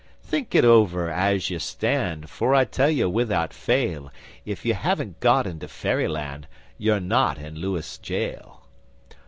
'Think it over as you stand For I tell you without fail, If you haven't got into Fairyland You're not in Lewes Gaol.